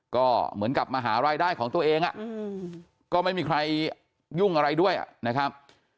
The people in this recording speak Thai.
ก็เหมือนกับมาหารายได้ของตัวเองก็ไม่มีใครยุ่งอะไรด้วยนะครับ